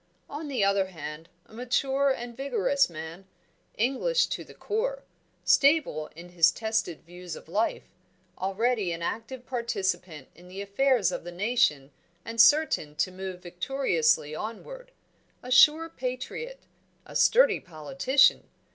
On the other hand, a mature and vigorous man, English to the core, stable in his tested views of life, already an active participant in the affairs of the nation and certain to move victoriously onward; a sure patriot, a sturdy politician.